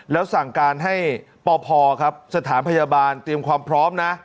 แล้วสั่งการให้ปพครับสถานพยาบาลเตรียมความพร้อมนะ